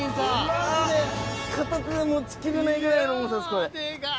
マジで片手で持ちきれないぐらいの重さですこれ。